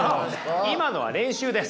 今のは練習です。